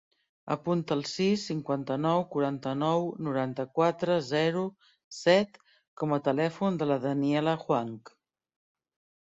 Apunta el sis, cinquanta-nou, quaranta-nou, noranta-quatre, zero, set com a telèfon de la Daniela Huang.